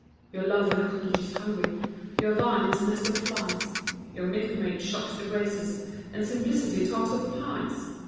Your love in a cottage is hungry, Your vine is a nest for flies Your milkmaid shocks the Graces, And simplicity talks of pies!